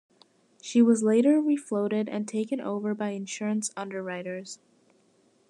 She was later refloated and taken over by insurance underwriters.